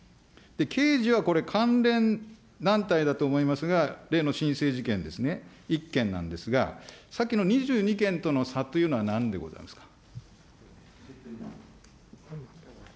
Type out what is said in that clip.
刑事はこれ、関連団体だと思いますが、例のしんせい事件ですね、１件なんですが、さっきの２２件との差というのはなんでございますか。